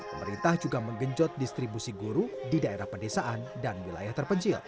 pemerintah juga menggenjot distribusi guru di daerah pedesaan dan wilayah terpencil